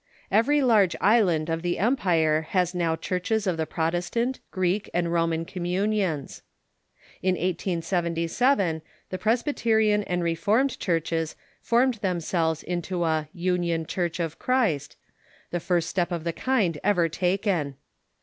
Every large island of the empire has now churches of the Protestant, Greek, and Roman communions. In 1877 the Presbyterian and Reformed churches formed themselves into a "Union Church of Christ," the first step of the kind ever taken.